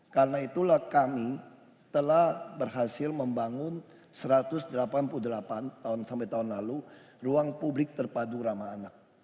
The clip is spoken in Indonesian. karena itulah kami telah berhasil membangun satu ratus delapan puluh delapan tahun sampai tahun lalu ruang publik terpadu ramah anak